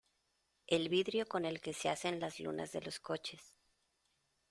el vidrio con el que se hacen las lunas de los coches